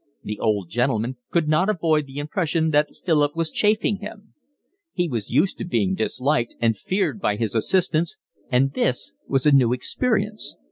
The old gentleman could not avoid the impression that Philip was chaffing him. He was used to being disliked and feared by his assistants, and this was a new experience.